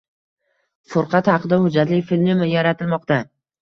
Furqat haqida hujjatli film yaratilmoqda